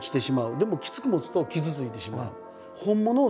でもきつく持つと傷ついてしまう。